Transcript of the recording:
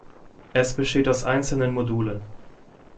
Es besteht aus einzelnen Modulen.